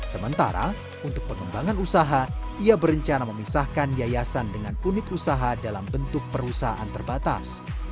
sementara untuk pengembangan usaha ia berencana memisahkan yayasan dengan unit usaha dalam bentuk perusahaan terbatas